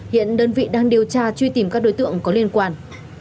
hiện đơn vị đang điều tra truy tìm các đối tượng có liên quan